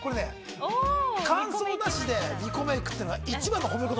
感想なしで２個目にいくというのは一番の褒め言葉。